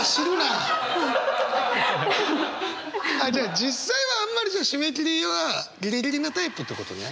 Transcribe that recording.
ああじゃあ実際はあんまり締め切りはギリギリなタイプってことね。